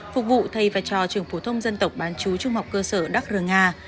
phục vụ thay và cho trường phổ thông dân tộc bán chú trung học cơ sở đắc rờ nga